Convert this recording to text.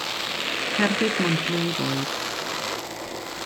Cerbyd 'mond blwydd oed.